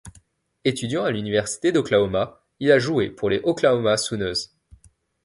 Étudiant à l'Université d'Oklahoma, il a joué pour les Oklahoma Sooners.